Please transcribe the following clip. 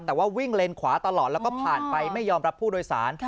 แต่ว่าวิ่งเลนขวาตลอดแล้วก็ผ่านไปไม่ยอมรับผู้โดยสาร